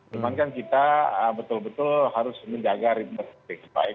memang kan kita betul betul harus menjaga ritme politik